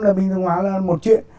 là bình thường hóa là một chuyện